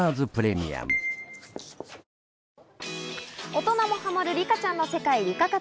大人もハマるリカちゃんの世界、リカ活。